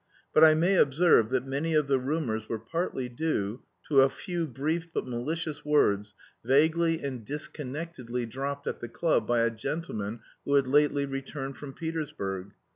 But I may observe that many of the rumours were partly due to a few brief but malicious words, vaguely and disconnectedly dropped at the club by a gentleman who had lately returned from Petersburg.